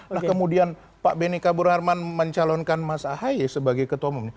nah kemudian pak benika burarman mencalonkan mas ahaye sebagai ketua umum